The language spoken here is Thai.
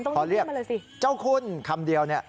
ขอเรียกเจ้าคุณคำเดียวเนี่ย